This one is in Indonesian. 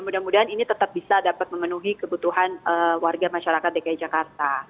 mudah mudahan ini tetap bisa dapat memenuhi kebutuhan warga masyarakat dki jakarta